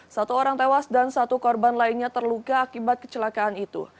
satu orang tewas dan satu korban lainnya terluka akibat kecelakaan itu